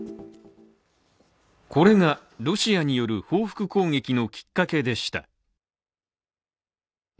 これがロシアによる報復攻撃のきっかけでした。